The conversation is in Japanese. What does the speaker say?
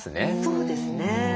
そうですね。